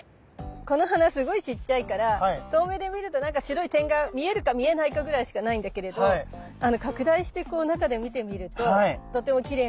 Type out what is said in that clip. この花すごいちっちゃいから遠目で見るとなんか白い点が見えるか見えないかぐらいしかないんだけれど拡大してこう中で見てみるととてもきれいな造形美があったりとか。